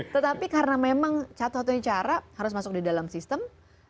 tetapi karena memang satu satunya cara harus masuk di dalam sistem